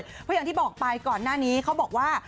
เพราะอย่างที่บอกไปก่อนหน้านี้เขาบอกว่า